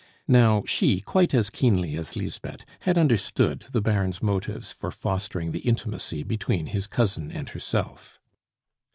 Now, she, quite as keenly as Lisbeth, had understood the Baron's motives for fostering the intimacy between his cousin and herself.